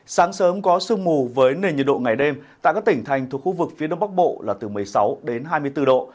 sáng sớm có sương mù với nền nhiệt độ ngày đêm tại các tỉnh thành thuộc khu vực phía đông bắc bộ là từ một mươi sáu đến hai mươi bốn độ